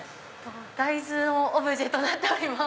大豆のオブジェとなっております。